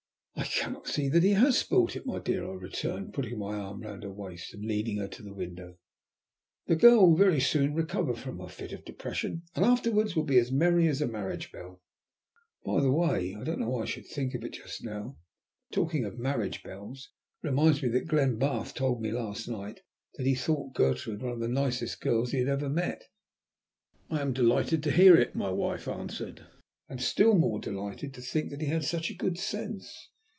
"I cannot see that he has spoilt it, my dear," I returned, putting my arm round her waist and leading her to the window. "The girl will very soon recover from her fit of depression, and afterwards will be as merry as a marriage bell. By the way, I don't know why I should think of it just now, but talking of marriage bells reminds me that Glenbarth told me last night that he thought Gertrude one of the nicest girls he had ever met." "I am delighted to hear it," my wife answered. "And still more delighted to think that he has such good sense.